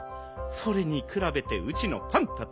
それにくらべてうちのパンタときたら。